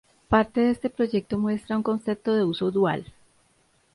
Parte de este proyecto muestra un concepto de uso dual.